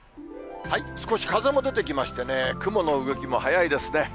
少し風も出てきましてね、雲の動きも速いですね。